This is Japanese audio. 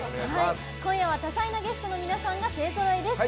今夜は多才なゲストの皆さんが勢ぞろいです。